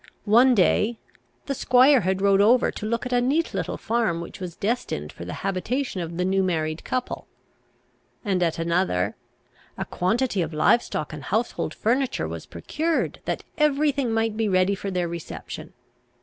One day, "the squire had rode over to look at a neat little farm which was destined for the habitation of the new married couple;" and at another, "a quantity of live stock and household furniture was procured, that every thing might be ready for their reception."